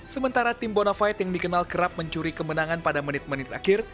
sementara tim bonafide yang dikenal kerap mencuri kemenangan pada menit menit akhir